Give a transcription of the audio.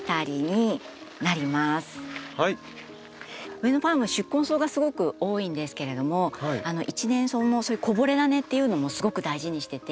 上野ファーム宿根草がすごく多いんですけれども一年草もそういうこぼれダネっていうのもすごく大事にしてて。